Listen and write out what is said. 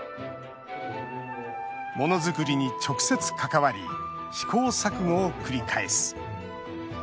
ものづくりに直接、関わり試行錯誤を繰り返す。